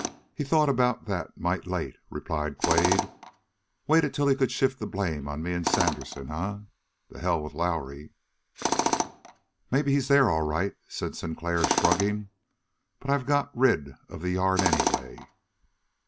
'" "He thought about that might late," replied Quade. "Waited till he could shift the blame on me and Sandersen, eh? To hell with Lowrie!" "Maybe he's there, all right," said Sinclair, shrugging. "But I've got rid of the yarn, anyway."